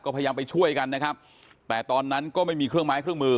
พยายามไปช่วยกันนะครับแต่ตอนนั้นก็ไม่มีเครื่องไม้เครื่องมือ